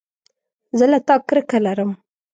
زه له تا کرکه لرم